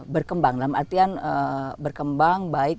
berkembang dan maksudnya perkembangan baik